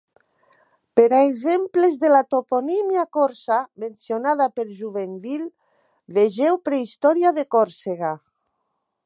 Per a exemples de la toponímia corsa mencionada per Jubainville, vegeu Prehistòria de Còrsega.